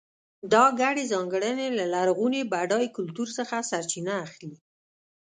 دا ګډې ځانګړنې له لرغوني بډای کلتور څخه سرچینه اخلي.